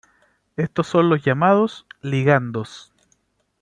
Estos son los llamados "ligandos".